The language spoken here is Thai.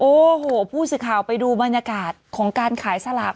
โอ้โหผู้สื่อข่าวไปดูบรรยากาศของการขายสลาก